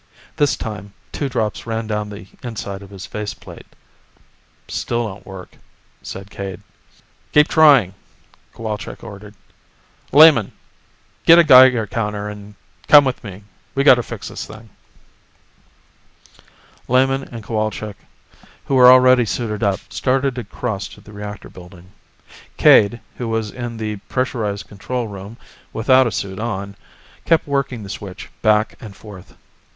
This time, two drops ran down the inside of his faceplate. "Still don't work," said Cade. "Keep trying," Cowalczk ordered. "Lehman, get a Geiger counter and come with me, we've got to fix this thing." Lehman and Cowalczk, who were already suited up started across to the reactor building. Cade, who was in the pressurized control room without a suit on, kept working the switch back and forth.